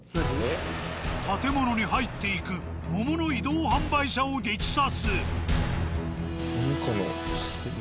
建物に入っていく桃の移動販売車を激撮。